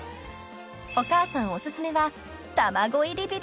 ［お母さんおすすめは］